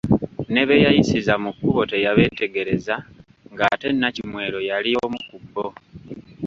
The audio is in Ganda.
Ne beyayisiza mu kkubo teyabeetegereza ng’ate Nnakimwero yali omu ku bo.